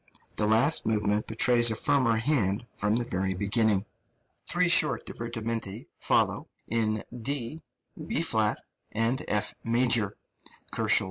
The last movement betrays a firmer hand from the very beginning. Three short divermenti follow, in D, B flat, and F major (136 138, K.)